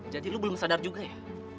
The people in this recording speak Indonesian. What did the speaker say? jadi lo belum sadar juga ya